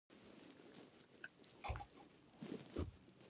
په کتابونو کي ئي ډير تفصيل ذکر شوی دی